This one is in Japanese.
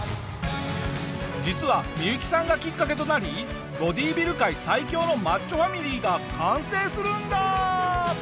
実はミユキさんがきっかけとなりボディビル界最強のマッチョファミリーが完成するんだ！